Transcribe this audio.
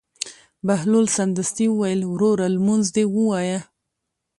بهلول سمدستي وویل: وروره لمونځ دې ووایه.